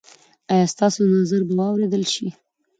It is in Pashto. ایا ستاسو نظر به واوریدل شي؟